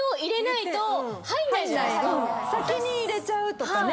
先に入れちゃうとかね。